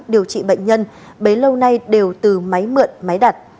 điều trị bệnh nhân bấy lâu nay đều từ máy mượn máy đặt